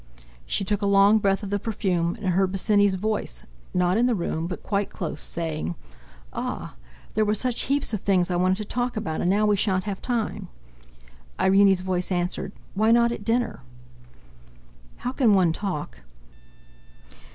She took a long breath of the perfume, and heard Bosinney's voice, not in the room, but quite close, saying. "Ah! there were such heaps of things I wanted to talk about, and now we shan't have time!" Irene's voice answered: "Why not at dinner?" "How can one talk...."